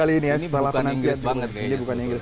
ini bukan inggris banget kayaknya